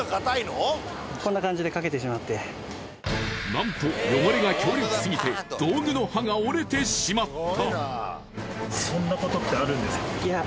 なんと汚れが強力過ぎて道具の刃が折れてしまった。